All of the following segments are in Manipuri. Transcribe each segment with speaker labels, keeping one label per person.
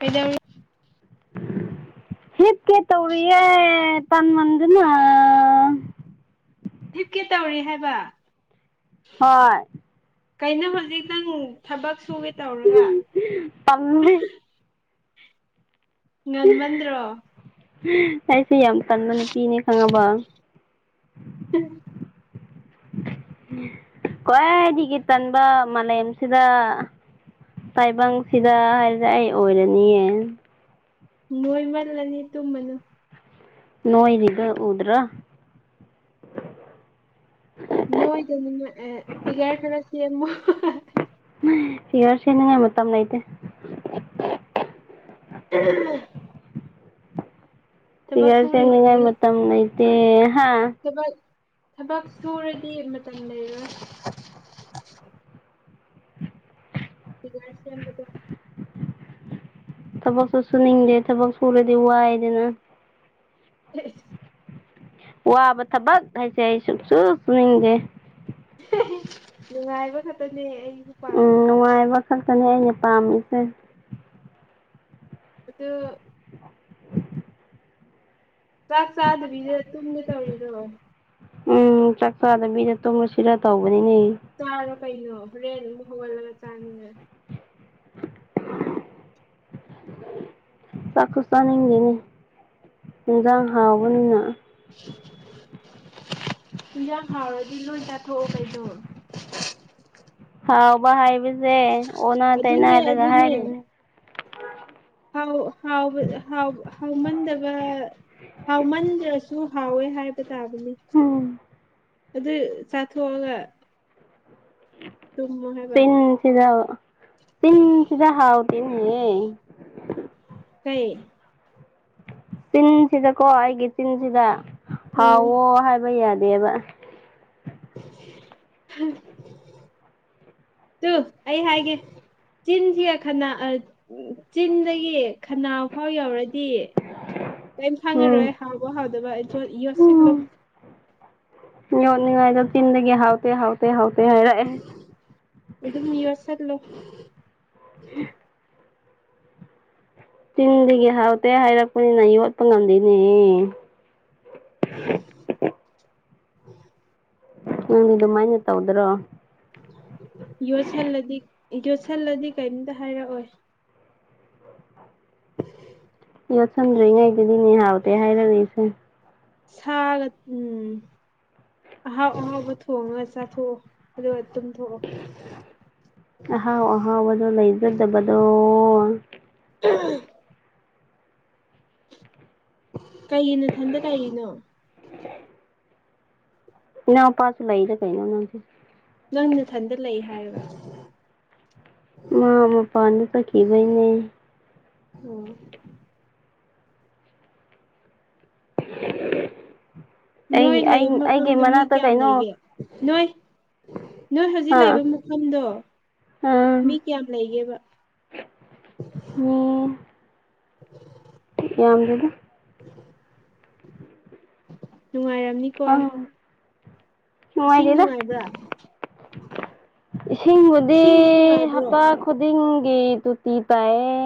Speaker 1: ꯀꯩꯗꯧꯔꯤ
Speaker 2: ꯍꯤꯞꯀꯦ ꯇꯧꯔꯤꯌꯦ ꯇꯥꯟꯃꯟꯗꯅ
Speaker 1: ꯍꯤꯞꯀꯦ ꯇꯧꯔꯤ ꯍꯥꯏꯕ
Speaker 2: ꯍꯣꯏ
Speaker 1: ꯀꯩꯅꯣ ꯍꯧꯖꯤꯛ ꯅꯪ ꯊꯕꯛ ꯁꯨꯒꯦ ꯇꯧꯔꯒ
Speaker 2: ꯇꯜꯂꯤ
Speaker 1: ꯉꯟꯃꯟꯗ꯭ꯔꯣ
Speaker 2: ꯑꯩꯁꯦ ꯌꯥꯝ ꯇꯟꯕ ꯅꯨꯄꯤꯅꯦ ꯈꯪꯉꯕꯣ
Speaker 1: [unintelligible]
Speaker 2: ꯈ꯭ꯋꯥꯏꯗꯒꯤ ꯇꯟꯕ ꯃꯥꯂꯦꯝꯁꯤꯗ ꯇꯥꯏꯕꯪꯁꯤꯗ ꯍꯥꯏꯔꯗꯤ ꯑꯩ ꯑꯣꯏꯔꯅꯤꯌꯦ
Speaker 1: ꯅꯣꯏꯃꯜꯂꯅꯤ ꯇꯨꯝꯃꯅꯣ
Speaker 2: ꯅꯣꯏꯔꯤꯗꯣ ꯎꯗ꯭ꯔꯣ
Speaker 1: ꯅꯣꯏꯗꯅꯤꯉꯥꯏ ꯑꯦ ꯐꯤꯒꯔ ꯈꯔ ꯁꯦꯝꯃꯣ ꯍꯥꯍꯥ
Speaker 2: ꯐꯤꯒꯔ ꯁꯦꯝꯅꯤꯡꯉꯥꯏ ꯃꯇꯝ ꯂꯩꯇꯦ
Speaker 1: [unintelligible] ꯊꯕꯛ
Speaker 2: ꯐꯤꯒꯔ ꯁꯦꯝꯅꯤꯉꯥꯏ
Speaker 1: ꯁꯨꯔꯤꯉꯩꯗꯤ
Speaker 2: ꯃꯇꯝ ꯂꯩꯇꯦ ꯍꯥꯥ
Speaker 1: ꯊꯕꯛ ꯇꯝ ꯂꯩꯔꯣꯏ ꯐꯤꯒꯔ ꯁꯦꯝꯕꯗꯣ
Speaker 2: ꯊꯕꯛꯁꯨ ꯁꯨꯅꯤꯡꯗꯦ ꯊꯕꯛ ꯁꯨꯔꯗꯤ ꯋꯥꯏꯗꯅ
Speaker 1: ꯏꯁ
Speaker 2: ꯋꯥꯕ ꯊꯕꯛ ꯍꯥꯏꯁꯦ ꯑꯩ ꯁꯨꯛꯁꯨꯨ ꯁꯨꯅꯤꯡꯗꯦ
Speaker 1: ꯅꯨꯡꯉꯥꯏꯕ ꯈꯠꯇꯅꯦ ꯑꯩꯁꯨ ꯄꯥꯝꯕ
Speaker 2: ꯇꯅꯦ ꯑꯩꯅ ꯄꯥꯝꯃꯤꯁꯦ
Speaker 1: ꯑꯗꯨ ꯆꯥꯛ ꯆꯥꯗꯕꯤꯗ ꯇꯨꯝꯒꯦ ꯇꯧꯔꯤꯗꯣ
Speaker 2: ꯎꯝ ꯆꯥꯛꯆꯥꯥꯗꯕꯤꯗ ꯇꯨꯝꯔꯁꯤꯔ ꯇꯧꯕꯅꯤꯅꯦ
Speaker 1: ꯆꯥꯔꯣ ꯀꯩꯅꯣ ꯍꯣꯔꯦꯟ ꯑꯃꯨꯛ ꯍꯧꯒꯠꯂꯒ ꯆꯥꯡꯅꯤꯡꯉ
Speaker 2: ꯆꯥꯛꯁꯨ ꯆꯥꯅꯤꯡꯗꯦꯅꯦ ꯍꯤꯟꯖꯥꯡ ꯍꯥꯎꯕꯅꯤꯅ
Speaker 1: [inaudible] ꯍꯟꯖꯥꯡ ꯍꯥꯎꯔꯗꯤ ꯂꯣꯏ ꯆꯥꯊꯣꯛꯑꯣ ꯀꯩꯗꯣ
Speaker 2: ꯍꯥꯎꯕ ꯍꯥꯏꯕꯖꯦ ꯑꯣꯅꯥ
Speaker 1: ꯑꯗꯨꯅꯦ
Speaker 2: ꯇꯩꯅꯔꯒ
Speaker 1: ꯑꯗꯨꯅꯦ
Speaker 2: ꯍꯥꯏꯔꯤꯅꯤ
Speaker 1: ꯍꯥꯎ ꯍꯥꯎꯕ ꯍꯥꯎ ꯍꯥꯎꯃꯟꯗꯕ ꯍꯥꯎꯃꯟꯗ꯭ꯔꯁꯨ ꯍꯥꯎꯋꯦ ꯍꯥꯏꯕ ꯇꯥꯕꯅꯤ
Speaker 2: ꯎꯝ
Speaker 1: ꯑꯗꯨ ꯆꯥꯊꯣꯛꯑꯒ ꯇꯨꯝꯃꯣ ꯍꯥꯏꯕ
Speaker 2: ꯆꯤꯟꯁꯤꯗ ꯆꯤꯟ ꯁꯤꯗ ꯍꯥꯎꯇꯦꯅꯦ
Speaker 1: ꯀꯩ
Speaker 2: ꯆꯤꯟꯁꯤꯗꯀꯣ ꯑꯩꯒꯤ ꯆꯤꯟꯁꯤꯗ
Speaker 1: ꯎꯝ
Speaker 2: ꯍꯥꯎꯋꯣ ꯍꯥꯏꯕ ꯌꯥꯠ ꯃꯦꯕ
Speaker 1: ꯇꯨ ꯑꯩ ꯍꯥꯏꯒꯦ ꯆꯤꯟꯁꯤꯒ ꯈꯅ ꯑ ꯎ ꯆꯤꯟꯗꯒꯤ ꯈꯅꯥꯎ ꯐꯥꯎ ꯌꯧꯔꯗꯤ ꯀꯩꯝ ꯈꯪꯉꯔꯣꯏ
Speaker 2: ꯎꯝ
Speaker 1: ꯍꯥꯎꯕ ꯍꯥꯎꯗꯕ ꯑꯩ ꯌꯣꯠꯁꯤꯜꯂꯣ
Speaker 2: ꯎꯝ ꯌꯣꯠꯅꯤꯡꯉꯥꯏꯗꯣ ꯆꯤꯟꯗꯒꯤ ꯍꯥꯎꯇꯦ ꯍꯥꯎꯇꯦ ꯍꯥꯎ
Speaker 1: ꯑꯗꯨꯝ ꯌꯣꯠꯁꯤꯜꯂꯣ
Speaker 2: [inaudible] ꯆꯤꯟꯗꯒꯤ ꯍꯥꯎꯇꯦ ꯍꯥꯏꯔꯛꯄꯅꯤꯅ ꯌꯣꯠꯄ ꯉꯝꯗꯦꯅꯦ
Speaker 1: [inaudible]
Speaker 2: ꯅꯪꯗꯤ ꯗꯨꯃꯥꯏꯅ ꯇꯧꯗ꯭ꯔꯣ
Speaker 1: ꯌꯣꯠꯁꯜꯂꯗꯤ ꯌꯣꯠꯁꯜꯂꯗꯤ ꯀꯩꯝꯇ ꯍꯥꯏꯔꯛꯑꯣꯏ
Speaker 2: ꯌꯣꯠꯁꯟꯗ꯭ꯔꯤꯉꯩꯗꯗꯤꯅꯦ ꯍꯥꯎꯇꯦ ꯍꯥꯏꯔꯛꯏꯁꯦ
Speaker 1: ꯁꯥꯒ ꯎꯝ ꯑꯍꯥꯎ ꯑꯍꯥꯎꯕ ꯊꯣꯡꯉꯒ ꯆꯥꯊꯣꯛꯑꯣ ꯑꯗꯨꯒ ꯇꯨꯝꯊꯣꯛꯑꯣ
Speaker 2: ꯑꯍꯥꯎ ꯑꯍꯥꯎꯕꯗꯣ ꯂꯩꯖꯗꯕꯗꯣ
Speaker 1: [unintelligible] ꯀꯩꯒꯤ ꯅꯥꯊꯟꯗ ꯂꯩꯔꯤꯅꯣ
Speaker 2: ꯏꯅꯥꯎ ꯅꯨꯄꯥꯁꯨ ꯂꯩꯏꯗ ꯀꯩꯅꯣ ꯅꯪꯁꯨ
Speaker 1: ꯅꯪꯅꯊꯟꯗ ꯂꯩ ꯍꯥꯏꯔꯒ
Speaker 2: ꯃꯥ ꯃꯄꯥꯅꯗꯥ ꯆꯠꯈꯤꯕꯩꯅꯦ
Speaker 1: ꯎꯝ
Speaker 2: [inaudible] ꯑꯩ
Speaker 1: ꯅꯣꯏ
Speaker 2: ꯑꯩ
Speaker 1: ꯂꯩ
Speaker 2: ꯑꯩꯒꯤ
Speaker 1: ꯃꯐꯝꯗꯣ ꯃꯤ
Speaker 2: ꯃꯅꯥꯛꯇ
Speaker 1: ꯀꯌꯥꯝ
Speaker 2: ꯀꯩꯅꯣ
Speaker 1: ꯂꯩꯒꯦ ꯅꯣꯏ ꯍꯧꯖꯤꯛ
Speaker 2: ꯑ
Speaker 1: ꯂꯥꯏꯕ ꯃꯐꯝꯗꯣ
Speaker 2: ꯑꯝ
Speaker 1: ꯃꯤ ꯀꯌꯥꯝ ꯂꯩꯒꯦꯕ
Speaker 2: ꯎꯝ
Speaker 1: [inaudible]
Speaker 2: ꯌꯥꯝꯂꯩ
Speaker 1: [unintelligible] ꯅꯨꯡꯉꯥꯏꯔꯝꯅꯤꯀꯣ
Speaker 2: ꯈꯪ
Speaker 1: ꯏꯁꯤꯡ
Speaker 2: ꯅꯨꯡꯉꯥꯏꯇꯦꯗ
Speaker 1: ꯅꯨꯡꯉꯥꯏꯕ꯭ꯔꯥ
Speaker 2: ꯏꯁꯤꯡꯕꯨꯗꯤ
Speaker 1: ꯏꯁꯤꯡꯗꯤ ꯅꯨꯡꯉꯥꯏꯕ꯭ꯔꯣ
Speaker 2: ꯍꯞꯇꯥ ꯈꯨꯗꯤꯡꯒꯤ ꯇꯣꯇꯤ ꯇꯥꯏꯌꯦ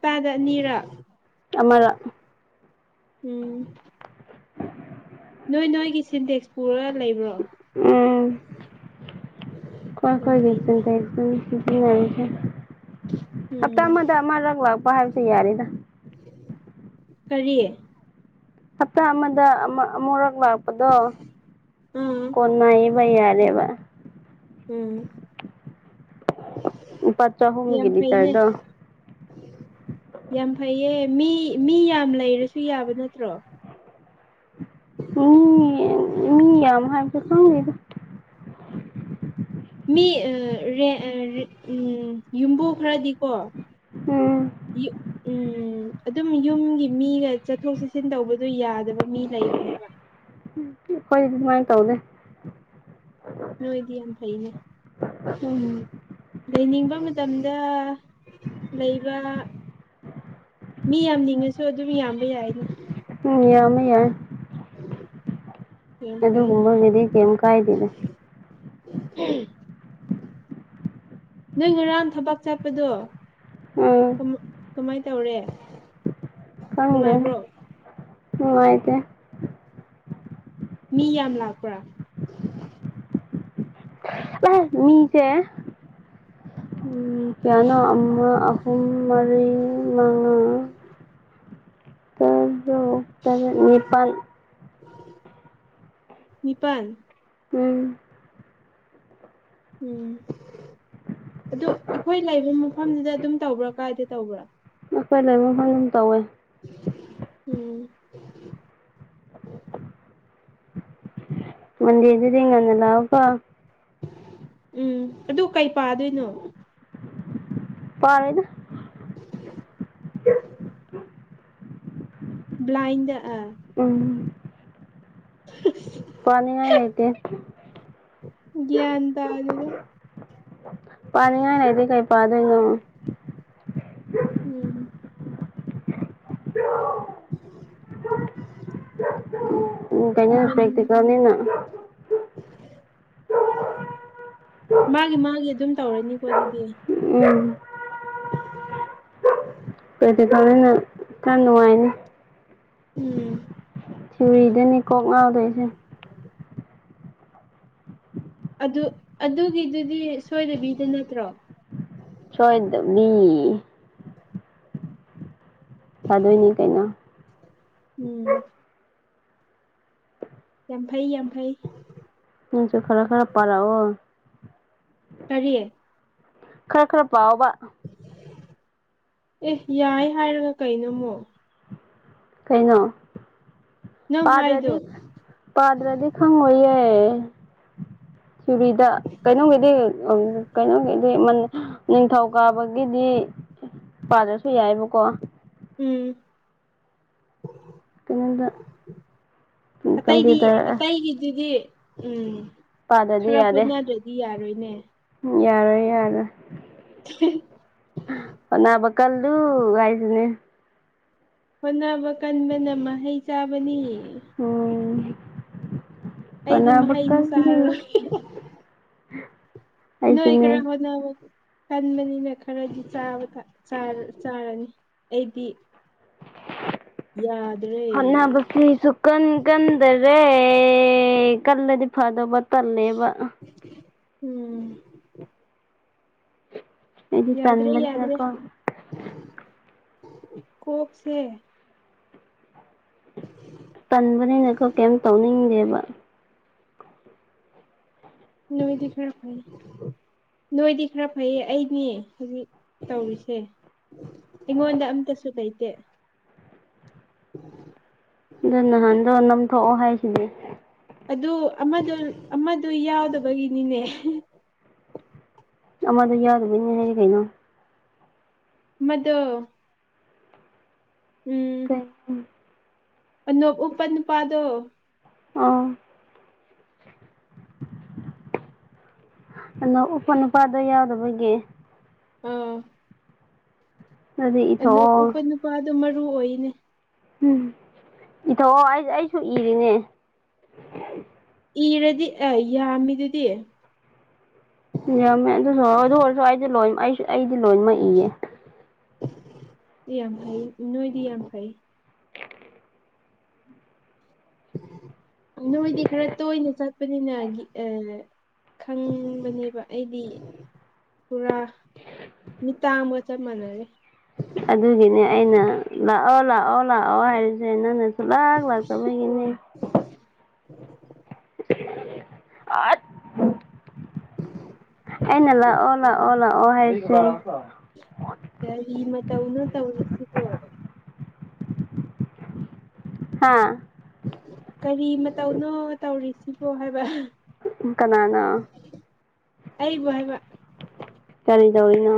Speaker 1: ꯇꯥꯗꯅꯤꯔ
Speaker 2: ꯑꯃꯗ
Speaker 1: ꯎꯝ ꯅꯣꯏ ꯅꯣꯏꯒꯤ ꯁꯤꯟꯇꯦꯛꯁ ꯄꯨꯔꯒ ꯂꯩꯕ꯭ꯔꯣ
Speaker 2: ꯎꯝ ꯈꯣꯏ
Speaker 1: ꯌꯥꯝ
Speaker 2: ꯈꯣꯏꯒꯤ
Speaker 1: ꯐꯩꯅꯦ
Speaker 2: ꯁꯤꯟꯇꯦꯛꯁ ꯎ ꯍꯞꯇꯥ
Speaker 1: ꯎꯝ
Speaker 2: ꯑꯃꯗ ꯑꯃꯔꯛ ꯂꯥꯛꯄ ꯍꯥꯏꯕꯁꯦ ꯌꯥꯔꯦꯗ
Speaker 1: ꯀꯔꯤ
Speaker 2: ꯍꯞꯇꯥ ꯑꯃꯗ ꯑꯃ ꯑꯃꯨꯔꯛ ꯂꯛꯄꯗꯣ
Speaker 1: ꯑꯥ
Speaker 2: ꯀꯣꯟꯅꯩꯏꯕ ꯌꯥꯔꯦꯕ
Speaker 1: ꯎꯝ
Speaker 2: ꯂꯨꯄꯥ
Speaker 1: ꯌꯥꯝ
Speaker 2: ꯆꯥꯍꯨꯝꯒꯤ
Speaker 1: ꯐꯩꯅꯦ
Speaker 2: ꯂꯤꯇꯔꯗꯣ
Speaker 1: ꯌꯥꯝ ꯐꯩꯌꯦ ꯃꯤ ꯃꯤ ꯌꯥꯝ ꯂꯩꯔꯁꯨ ꯌꯥꯕ ꯅꯠꯇ꯭ꯔꯣ
Speaker 2: ꯃꯤ ꯌꯥꯝꯃꯥꯗꯤ ꯈꯪꯗꯦꯗꯥ
Speaker 1: ꯃꯤ ꯎꯝ ꯌꯨꯝꯕꯨ ꯈꯔꯗꯤꯀꯣ
Speaker 2: ꯎꯝ
Speaker 1: ꯎꯝꯝ ꯑꯗꯨꯝ ꯌꯨꯝꯒꯤ ꯃꯤꯒ ꯆꯠꯊꯣꯛ ꯆꯠꯁꯤꯟ ꯇꯧꯕꯗꯨꯣ ꯌꯥꯗꯕ ꯃꯤ ꯂꯩꯕꯅꯦꯕ
Speaker 2: ꯑꯩꯈꯣꯏꯗꯤ ꯑꯗꯨꯃꯥꯏꯅ ꯇꯧꯗꯦ
Speaker 1: ꯅꯣꯏꯣꯏꯗꯤ ꯌꯥꯝꯅꯥ ꯐꯩꯅꯦ
Speaker 2: ꯎꯝ
Speaker 1: ꯍꯧ ꯃꯇꯝꯗ ꯂꯩꯕ ꯃꯤ ꯌꯥꯝꯅꯤꯡꯉꯁꯨ ꯑꯗꯨꯝ ꯌꯥꯝꯕ ꯌꯥꯏꯅꯦ
Speaker 2: ꯌꯥꯝꯃꯦ ꯌꯥꯏ
Speaker 1: ꯌꯥꯝ ꯐꯩ
Speaker 2: ꯑꯗꯨꯒꯨꯝꯕꯒꯤꯗꯤ ꯀꯩꯝ ꯀꯥꯏꯗꯦꯗ
Speaker 1: ꯎꯝ ꯅꯣꯏ ꯉꯔꯥꯡ ꯊꯕꯛ ꯆꯠꯄꯗꯣ
Speaker 2: ꯎꯝ
Speaker 1: ꯀꯃꯥꯏꯅ ꯇꯧꯔꯦ ꯅꯨꯡꯉꯥꯏꯕ꯭ꯔꯣ
Speaker 2: ꯅꯨꯉꯥꯏꯇꯦ
Speaker 1: ꯃꯤꯌꯥꯝ ꯂꯥꯛꯄ꯭ꯔꯥ
Speaker 2: ꯑꯦ
Speaker 1: [unintelligible]
Speaker 2: ꯃꯤꯁꯦ ꯀꯥꯌꯅꯣ ꯑꯃ ꯑꯍꯨꯝ ꯃꯔꯤ ꯃꯉꯥ ꯅꯤꯄꯜ
Speaker 1: ꯅꯤꯄꯥꯜ
Speaker 2: ꯎꯝ
Speaker 1: ꯎꯝ ꯑꯗꯨ ꯑꯩꯈꯣꯏ ꯂꯩꯕ ꯃꯐꯝꯗꯨꯗ ꯑꯗꯨꯝ ꯇꯧꯕ꯭ꯔꯥ ꯀꯥꯏꯗ ꯇꯧꯕ꯭ꯔꯥ
Speaker 2: ꯑꯩꯈꯣꯏ ꯂꯩꯕꯝ ꯐꯝ ꯇꯧꯋꯦ
Speaker 1: ꯎꯝ
Speaker 2: ꯃꯗꯤ ꯌꯦꯖꯗꯤꯉ ꯅ ꯂꯥꯎꯀ
Speaker 1: ꯎꯝ ꯑꯗꯨ ꯀꯩ ꯄꯥꯗꯣꯏꯅꯣ
Speaker 2: ꯄꯥꯃꯦꯗ
Speaker 1: [inaudible] ꯕ꯭ꯂꯥꯏꯟꯗꯔ
Speaker 2: ꯎꯝ ꯄꯥꯅꯤꯡꯉꯥꯏ ꯂꯩꯇꯦ
Speaker 1: ꯒ꯭ꯌꯥꯟ ꯇꯥꯔꯗ
Speaker 2: ꯄꯥꯅꯤꯡꯉꯗꯤ ꯀꯥꯏ ꯄꯥ ꯑꯗꯨꯉ
Speaker 1: ꯎꯝ [unintelligible]
Speaker 2: ꯎꯝ ꯀꯩꯅꯩꯅ
Speaker 1: ꯃꯟ
Speaker 2: ꯄꯦꯛꯇꯛꯇꯤꯅꯤꯅ
Speaker 1: ꯃꯥꯒꯤ ꯃꯥꯒꯤ ꯑꯗꯨꯝ ꯇꯧꯔꯅꯤꯀꯣ ꯑꯗꯨꯗꯤ
Speaker 2: ꯎꯝ ꯑꯗꯨꯗꯣꯏꯅ ꯈꯔ ꯅꯨꯡꯉꯥꯏꯅꯤ
Speaker 1: ꯎꯝ
Speaker 2: ꯁꯨꯔꯤꯗꯅꯤ ꯀꯣꯛ ꯉꯥꯎꯗꯣꯏꯁꯦ
Speaker 1: ꯑꯗꯨ ꯑꯗꯨꯒꯤꯗꯨꯗꯤ ꯁꯣꯏꯗꯕꯤꯗ ꯅꯠꯇ꯭ꯔꯣ
Speaker 2: ꯆꯣꯏꯗ ꯃꯤ ꯂꯥꯗꯣꯏꯅꯤ ꯀꯩꯅ
Speaker 1: ꯎꯝ ꯌꯥꯝ ꯐꯩ ꯌꯥꯝ ꯐꯩ
Speaker 2: ꯍꯆꯁꯨ ꯈꯔ ꯈꯔ ꯄꯔ ꯍ
Speaker 1: ꯇꯔꯤꯌꯦ
Speaker 2: ꯈꯔ ꯈꯔ ꯄꯥꯎꯕ
Speaker 1: ꯑꯦ ꯌꯥꯏ ꯍꯥꯏꯔꯒ ꯀꯩꯅꯩꯅꯣꯃꯣ
Speaker 2: ꯀꯩꯅꯣ
Speaker 1: ꯅꯪ
Speaker 2: ꯄꯥꯗ꯭ꯔꯗꯤ
Speaker 1: ꯍꯥꯏꯗꯣ
Speaker 2: ꯄꯥꯗ꯭ꯔꯗꯤ ꯈꯪꯉꯣꯏꯌꯦ ꯆꯔꯤꯗ ꯀꯩꯅꯣꯒꯤꯗꯤ ꯀꯩꯅꯣꯒꯤꯗꯤ ꯅꯤꯡꯊꯧ ꯀꯥꯕꯒꯤꯗꯤ ꯄꯥꯗ꯭ꯔꯁꯨ ꯌꯥꯏꯑꯕꯀꯣ
Speaker 1: ꯎꯝ
Speaker 2: ꯀꯩꯅꯣꯗ
Speaker 1: ꯑꯇꯩꯗꯤ
Speaker 2: ꯀꯝꯄ꯭ꯌꯨꯇꯔ
Speaker 1: ꯑꯇꯩꯒꯤꯗꯨꯗꯤ ꯎꯝ
Speaker 2: ꯄꯥꯗꯗꯤ
Speaker 1: ꯈꯔ
Speaker 2: ꯌꯥꯗꯦ
Speaker 1: ꯍꯣꯠꯅꯗ꯭ꯔꯗꯤ ꯌꯥꯔꯣꯏꯅꯦ
Speaker 2: ꯌꯥꯔꯣꯏ ꯌꯥꯔꯣꯏ ꯑꯅꯥꯕ ꯀꯜꯂꯨ ꯑꯥꯏꯁꯤꯅꯦ
Speaker 1: ꯍꯣꯠꯅꯕ ꯀꯟꯕꯅ ꯃꯍꯩ ꯆꯥꯕꯅꯤ ꯑꯩꯗꯤ
Speaker 2: ꯑꯅꯥꯕ
Speaker 1: ꯃꯍꯩꯁꯨ ꯆꯥꯔꯔꯣꯏ ꯅ ꯏꯈ ꯑꯋꯥꯗ ꯑꯋꯥ ꯀꯟꯕꯅꯤꯅ ꯈꯔꯗꯤꯥ ꯆꯥꯔꯅꯤ ꯑꯩꯗꯤ ꯌꯥ
Speaker 2: ꯍꯅꯥꯕꯁꯁꯨꯀꯟ ꯀꯗ꯭ꯔꯦ ꯀꯂꯦꯗꯤ ꯐꯥꯗꯕ ꯇꯜꯂꯦꯕ
Speaker 1: ꯎꯝ
Speaker 2: ꯏ
Speaker 1: ꯌꯥꯗ꯭ꯔꯦ
Speaker 2: ꯇꯟꯝꯕꯔꯀꯣ
Speaker 1: ꯀꯣꯞꯁꯦ
Speaker 2: ꯇꯟꯕꯅꯤꯅꯀꯣ ꯀꯩꯝ ꯇꯧꯅꯤꯡꯗꯦꯕ
Speaker 1: ꯅꯣꯏꯗ ꯈꯔ ꯐꯥꯏ ꯅꯣꯏꯗꯤ ꯈꯔ ꯐꯩꯌꯦ ꯑꯩꯅꯦ ꯍꯧꯖꯤꯛ ꯇꯧꯔꯤꯁꯦ ꯑꯩꯉꯣꯟꯗ ꯑꯝꯇꯁꯨ ꯂꯩꯇꯦ
Speaker 2: ꯑꯗꯣ ꯅꯍꯥꯟꯗꯣ ꯅꯝꯊꯣꯛꯑꯣ ꯍꯥꯏꯁꯤꯗꯤ
Speaker 1: ꯑꯗꯨ ꯑꯃꯗ ꯑꯃꯗ ꯌꯥꯎꯗꯕꯒꯤꯅꯤꯅꯦ
Speaker 2: ꯑꯃꯗ ꯌꯥꯎꯗꯨꯕꯩꯅꯦ ꯍꯥꯏꯗꯤ ꯀꯩꯅꯣ
Speaker 1: ꯃꯗ ꯎꯝ
Speaker 2: ꯀꯩ
Speaker 1: ꯎꯄ ꯅꯨꯄꯥꯥꯗꯣ
Speaker 2: ꯑ ꯑꯗꯣ ꯎꯄ ꯅꯨꯄꯥꯗ ꯌꯥꯎꯗꯕꯒꯤ
Speaker 1: ꯑꯝ
Speaker 2: ꯑꯗꯨꯗꯤ ꯏꯊꯣꯛꯑꯣ
Speaker 1: ꯎꯄ ꯅꯨꯄꯥꯗꯣ ꯃꯔꯨ ꯑꯣꯏꯅꯦ
Speaker 2: ꯎꯝ ꯏꯊꯣꯛꯑꯣ ꯑꯩ ꯑꯩꯁꯨ ꯏꯔꯤꯅꯦ
Speaker 1: ꯏꯔꯗꯤ ꯑ ꯌꯥꯝꯃꯤꯗꯨꯗꯤ
Speaker 2: ꯌꯥꯝꯃꯦ ꯑꯗꯨꯁꯨ ꯑꯗꯨ ꯑꯣꯏꯔꯁꯨ ꯑꯩꯗꯤ ꯂꯣꯏ ꯑꯩꯁꯨ ꯑꯩꯗꯤ ꯂꯣꯏꯃꯛ ꯏꯌꯦ
Speaker 1: ꯌꯥꯝ ꯐꯩ ꯅꯣꯏꯗꯤ ꯌꯥꯝ ꯐꯩ ꯅꯣꯏꯗꯤ ꯈꯔ ꯇꯣꯏꯅ ꯆꯠꯄꯅꯤꯅ ꯑꯦ ꯈꯪꯕꯅꯦꯕ ꯑꯩꯗꯤ ꯄꯨꯔꯥ ꯃꯤ ꯇꯝꯕ ꯆ ꯃꯅꯔꯦ
Speaker 2: ꯑꯗꯨꯒꯤꯅꯦ ꯑꯩꯅ ꯂꯥꯛꯑꯣ ꯂꯥꯛꯑꯣ ꯂꯥꯛꯑꯣ ꯍꯥꯏꯔꯤꯁꯦ ꯅꯪꯅ ꯂꯒꯂ ꯆꯒꯤꯅꯤ
Speaker 1: [unintelligible]
Speaker 2: ꯑ [unintelligible] ꯑꯩꯅ ꯂꯥꯛꯑꯣ ꯂꯥꯛꯑꯣ ꯂꯥꯛꯑꯣ ꯍꯥꯏꯁꯦ
Speaker 1: ꯀꯔꯤ ꯃꯇꯧꯅ ꯇꯧꯔꯤꯁꯤꯕꯣ
Speaker 2: ꯍꯥꯥ
Speaker 1: ꯀꯔꯤ ꯃꯇꯧꯅꯣ ꯇꯧꯔꯤꯁꯤꯕꯣ ꯍꯥꯏꯕ
Speaker 2: ꯏꯀꯅꯥꯅꯥ
Speaker 1: ꯑꯩꯕꯨ ꯍꯥꯏꯕ
Speaker 2: ꯑꯣꯏꯗꯅ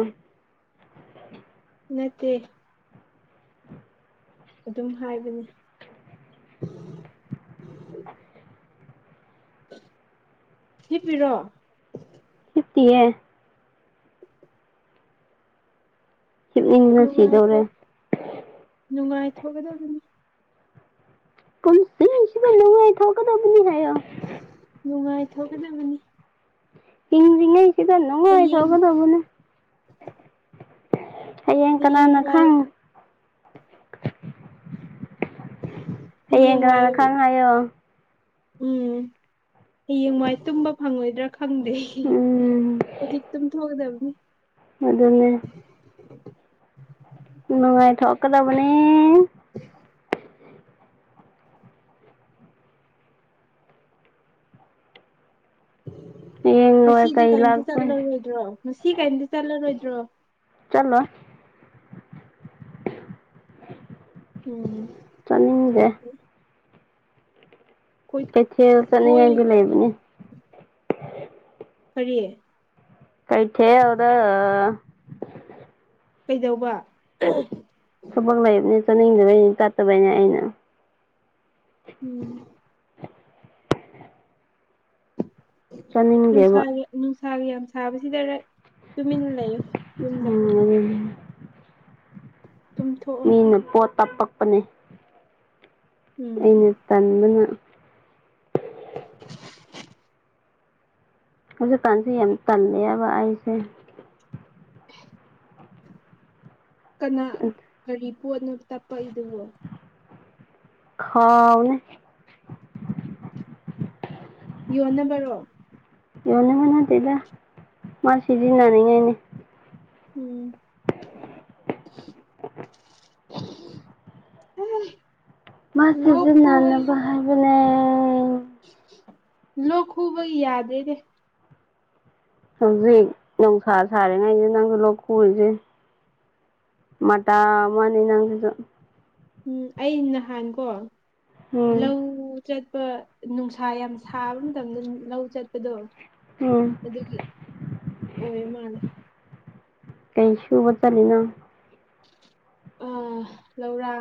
Speaker 1: ꯅꯠꯇꯦ ꯑꯗꯨꯝ ꯍꯥꯏꯕꯅꯤ ꯊꯤꯞꯄꯤꯔꯣ
Speaker 2: ꯈꯞꯇꯌꯦꯦ ꯍꯤꯞꯅꯤꯡꯅ ꯁꯤꯗꯧꯔꯦ
Speaker 1: ꯅꯨꯡꯉꯥꯏꯊꯣꯛ ꯣꯛꯒꯦꯗ ꯑꯗꯨꯅꯤ
Speaker 2: ꯀꯁꯨ ꯊꯥꯎ ꯀꯗꯕꯨꯅꯤ ꯍꯥꯏ
Speaker 1: ꯅꯨꯡꯉꯥꯏꯊꯣꯛꯒꯗꯕꯅꯤ
Speaker 2: ꯏꯪ ꯔꯤꯉꯩ ꯆꯗ ꯅꯣꯡꯉꯥꯏ
Speaker 1: ꯍꯌꯦꯡ
Speaker 2: ꯁꯧꯒꯗꯕꯅꯦ ꯍꯌꯦꯡ ꯀꯅꯥꯅ ꯈꯪ ꯌꯦꯡ
Speaker 1: ꯍꯌꯦꯡ ꯋꯥꯏ
Speaker 2: ꯀꯅ ꯈ ꯍꯥꯏꯌꯣ
Speaker 1: ꯎꯝ ꯍꯌꯦꯡꯋꯥꯏ ꯇꯨꯝꯕ ꯐꯪꯉꯣꯏꯗ꯭ꯔꯥ ꯈꯪꯗꯦ
Speaker 2: ꯎꯝ
Speaker 1: ꯍꯧꯖꯤꯛꯇꯝ ꯊꯣꯛꯗꯕꯅꯤ
Speaker 2: ꯑꯗꯨꯅꯅꯦ ꯅꯨꯡꯉꯥꯏ ꯊꯣꯛ ꯀꯗ ꯃꯅꯤ
Speaker 1: [inaudible]
Speaker 2: ꯍꯌꯦꯡ ꯂꯣꯏ
Speaker 1: ꯉꯁꯤꯗꯤ
Speaker 2: ꯀꯩ
Speaker 1: ꯀꯔꯤꯝꯇ
Speaker 2: ꯂꯥꯛꯇꯣꯏ
Speaker 1: ꯆꯠꯂꯔꯣꯏꯗ꯭ꯔꯣ ꯉꯁꯤ ꯀꯔꯤꯝꯇ ꯆꯠꯂꯔꯣꯏꯗ꯭ꯔꯣ
Speaker 2: ꯆꯂꯣ
Speaker 1: ꯎꯝ ꯌꯥꯝ ꯀꯣꯏ
Speaker 2: ꯀꯩꯊꯦꯜ
Speaker 1: ꯀꯣꯏ
Speaker 2: ꯆꯠꯅꯤꯡꯉꯥꯏꯗꯤ ꯂꯩꯕꯅꯦ
Speaker 1: ꯐꯔꯤꯌꯦ
Speaker 2: ꯀꯩꯇꯦ ꯑꯗꯨꯗ
Speaker 1: ꯀꯩꯗꯧꯕ
Speaker 2: ꯆꯥꯅꯤꯡꯗꯕꯩꯅꯦ ꯇꯠꯇꯕꯩꯅꯦ ꯑꯩꯅ
Speaker 1: ꯎꯝ
Speaker 2: ꯆꯥꯅꯤꯡꯗꯦꯕ
Speaker 1: ꯅꯨꯡꯁꯥꯒꯤ ꯅꯨꯡꯁꯥꯒꯤ ꯌꯥꯝ ꯁꯥꯕꯁꯤꯗ ꯇꯨꯃꯤꯟꯅ ꯂꯩꯣ ꯌꯨꯝꯗ ꯇꯨꯝꯊꯣꯛꯑꯣ
Speaker 2: ꯃꯤꯅ ꯄꯣꯠ ꯇ ꯄꯛꯄꯅꯦ
Speaker 1: ꯎꯝ
Speaker 2: ꯑꯩꯅ ꯇꯟꯕꯅ ꯍꯧꯖꯤꯛꯀꯥꯟꯁꯦ ꯌꯥꯝ ꯇꯜꯂꯦꯕ ꯑꯩꯁꯦ
Speaker 1: ꯀꯅꯥ ꯀꯔꯤ ꯄꯣꯠꯅꯣ ꯇꯞꯄꯏꯗꯨꯕꯣ
Speaker 2: ꯍꯥꯎ ꯎꯅꯦ
Speaker 1: ꯌꯣꯟꯅꯕꯔꯣ
Speaker 2: ꯌꯣꯟꯅꯕ ꯅꯗꯦꯗ ꯃꯥ ꯁꯤꯖꯤꯟꯅꯅꯤ ꯉꯥꯏꯅꯦ
Speaker 1: ꯎꯝ ꯎꯝ
Speaker 2: ꯃꯥ ꯁꯦꯖꯤꯟꯅ ꯅꯕꯥ ꯍꯥꯏꯕꯅꯦ ꯎꯝ
Speaker 1: ꯂ ꯈꯨꯕ ꯌꯥꯗꯦꯅꯦ
Speaker 2: ꯍꯧꯖꯤꯛ ꯅꯨꯡꯁꯥ ꯁꯥꯔꯤꯉꯩꯁꯤ ꯅꯪꯁꯨ ꯂꯧꯣꯛ ꯄꯨꯔꯤꯁꯦ ꯃꯇꯥ ꯑꯃꯅꯤ ꯅꯪ ꯑꯗꯨ
Speaker 1: ꯎꯝ ꯑꯩ ꯅꯍꯥꯟ ꯀꯣ
Speaker 2: ꯎꯝ
Speaker 1: ꯂꯧ ꯆꯠꯄ ꯅꯨꯡꯁꯥ ꯈꯥ ꯌꯥꯝ ꯁꯥꯕ ꯃꯇꯝꯗ ꯂꯧ ꯆꯠꯄꯗꯣ
Speaker 2: ꯎꯝ
Speaker 1: ꯑꯗꯨꯒꯤ ꯑꯣꯏ ꯃꯥꯂ
Speaker 2: ꯀꯩꯁꯨꯨꯕ ꯆꯂꯅ
Speaker 1: ꯑꯥ ꯂꯧꯔ